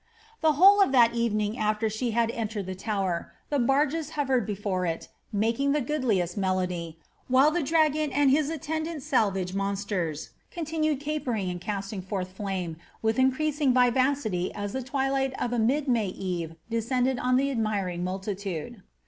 The whole of that evening aft<?r she had entered the Tower, ^ the barges hovered before \U making the goodliest melody,^' while the dragon and his attendant salvage monsters continued capering and casting forth flame wiih increased vivacity as the twilight of a mid May eve descended on the admiring multitude.